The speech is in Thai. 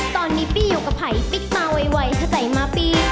ตอนนี้พี่อยู่กับไผ่ปิ๊บมาไวถ้าใจมาปี